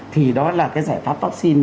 thì đó là cái giải pháp vaccine